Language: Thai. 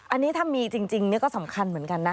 อันนี้ถ้ามีจริงนี่ก็สำคัญเหมือนกันนะ